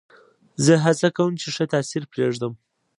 زه هڅه کوم، چي ښه تاثیر پرېږدم.